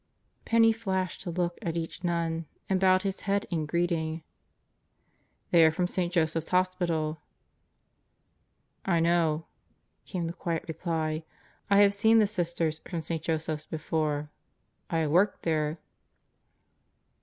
Penney flashed a look at each nun and bowed his head in greeting. "They are from St. Joseph's Hospital." "I know," came the quiet reply. "I have seen the Sisters from St. Joseph's before. I have worked there."